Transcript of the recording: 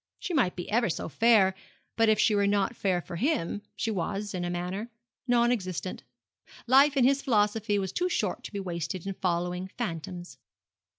She might be ever so fair, but if she were not fair for him she was, in a manner, non existent. Life, in his philosophy, was too short to be wasted in following phantoms.